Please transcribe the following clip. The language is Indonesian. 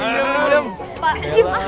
pak dim ah